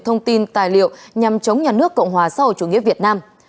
thông tin tài liệu nhằm chống nhà nước cộng hòa sau chủ nghĩa việt nam